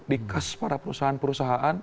dikas para perusahaan perusahaan